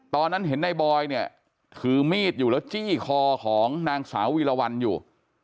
ตอนนั้นเห็นในบอยเนี่ยถือมีดอยู่แล้วจี้คอของนางสาววีรวรรณอยู่